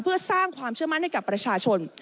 เพื่อสร้างความเชื่อมั่นให้กับประชาชน